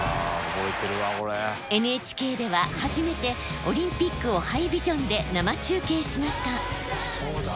ＮＨＫでは初めてオリンピックをハイビジョンで生中継しました。